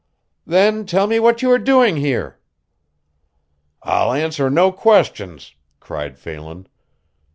"Then tell me what you are doing here." "I'll answer no questions," cried Phelan.